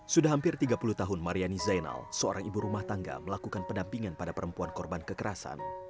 sudah hampir tiga puluh tahun mariani zainal seorang ibu rumah tangga melakukan pendampingan pada perempuan korban kekerasan